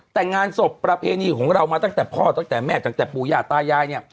แต่งงานศพประเพณีของเรามาตั้งแต่พ่อตั้งแต่แม่ตั้งแต่ปู่ย่าตายายเนี่ย